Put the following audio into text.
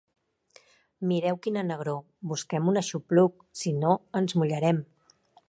Mireu quina negror: busquem un aixopluc; si no, ens mullarem.